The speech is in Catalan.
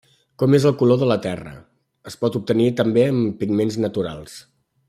Com és el color de la terra, es pot obtenir també amb pigments naturals.